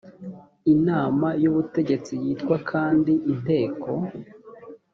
inama y ubutegetsi yitwa kandi inteko